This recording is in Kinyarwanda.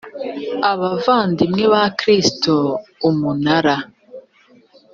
abavandimwe ba kristo umunara